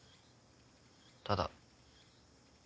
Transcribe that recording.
ただ。